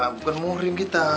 bukan mau ngurim kita